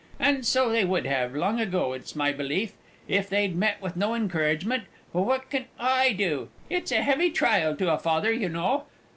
And so they would have, long ago, it's my belief, if they'd met with no encouragement but what can I do it's a heavy trial to a father, you know.